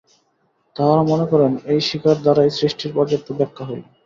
তাঁহারা মনে করেন, এই স্বীকার দ্বারাই সৃষ্টির পর্যাপ্ত ব্যাখ্যা হইল।